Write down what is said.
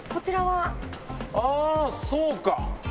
あそうか！